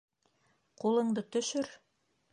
Ҡулыңды төшөр!